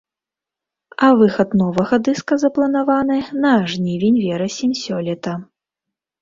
А выхад новага дыска запланаваны на жнівень-верасень сёлета.